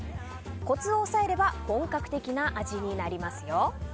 コツを抑えれば本格的な味になりますよ。